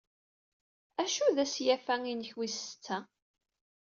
Acu d asyafa-inek wis setta?